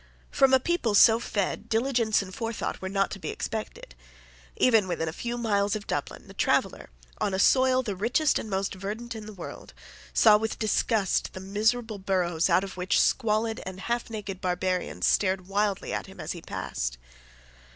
From a people so fed diligence and forethought were not to be expected. Even within a few miles of Dublin, the traveller, on a soil the richest and most verdant in the world, saw with disgust the miserable burrows out of which squalid and half naked barbarians stared wildly at him as he passed.